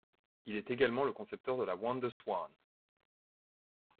Il est également le concepteur de la WonderSwan.